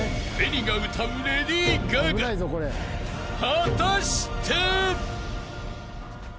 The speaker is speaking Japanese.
［果たして？］